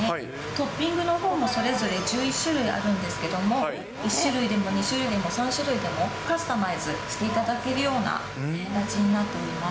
トッピングのほうもそれぞれ１１種類あるんですけども、１種類でも２種類でも３種類でも、カスタマイズしていただけるような形になっております。